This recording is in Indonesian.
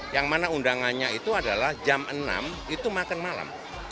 yang mana undangannya itu adalah jam enam itu makan malam